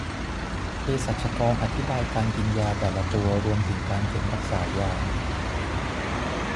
เภสัชกรอธิบายการกินยาแต่ละตัว รวมถึงการเก็บรักษายา